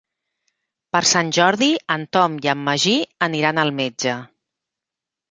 Per Sant Jordi en Tom i en Magí aniran al metge.